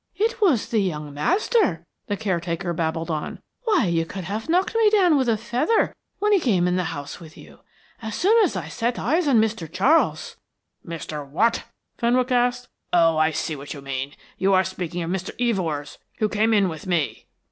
"It was the young master," the caretaker babbled on. "Why, you could have knocked me down with a feather when he came in the house with you. As soon as I set eyes on Mr. Charles " "Mr. what?" Fenwick asked. "Oh, I see what you mean. You are speaking of Mr. Evors, who came in with me."